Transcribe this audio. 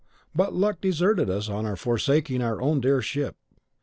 But luck deserted us on forsaking our own dear old ship.